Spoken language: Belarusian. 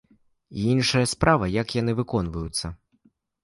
Іншая справа, як яны выконваюцца?